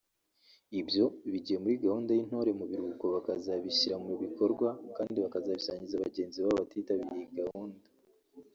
ibyo bigiye muri gahunda y’Intore mu Biruhuko bakazabishyira mu bikorwa kandi bakabisangiza bagenzi babo batitabiriye iyi gahunda